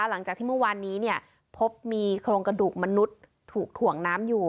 หลังจากที่เมื่อวานนี้พบมีโครงกระดูกมนุษย์ถูกถ่วงน้ำอยู่